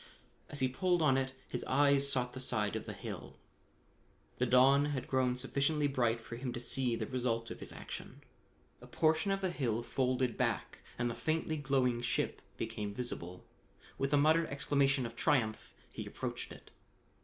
As he pulled on it his eyes sought the side of the hill. The dawn had grown sufficiently bright for him to see the result of his action. A portion of the hill folded back and the faintly glowing ship became visible. With a muttered exclamation of triumph he approached it.